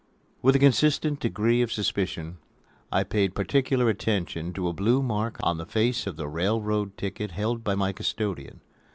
With a consistent degree of suspicion I paid particular attention to a blue mark on the face of the railroad ticket held by my custodian.